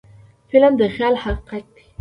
فلم د خیال حقیقت دی